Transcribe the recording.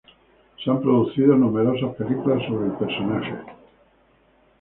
Se han producido numerosas películas sobre el personaje.